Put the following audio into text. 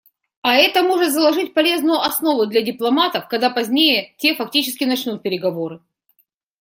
А это может заложить полезную основу для дипломатов, когда позднее те фактически начнут переговоры.